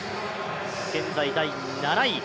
現在第７位。